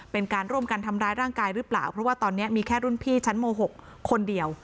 เป็นการร่วมกันทำร้ายร่างกายหรือเปล่าเพราะว่าตอนนี้มีแค่รุ่นพี่ชั้นม๖คนเดียว